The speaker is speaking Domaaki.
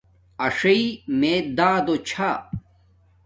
آݽݶ مِیں دادؑ چھݴ